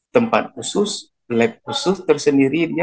tempat khusus lab khusus tersendiri dia